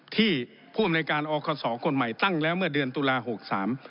ที่ผู้อำนวยการอคศคนใหม่ตั้งแล้วเมื่อเดือนตุลาหกสาม